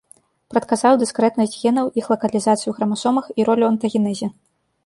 Прадказаў дыскрэтнасць генаў, іх лакалізацыю ў храмасомах і ролю ў антагенезе.